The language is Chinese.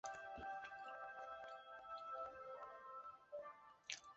担任中共湖南省委组织部部长。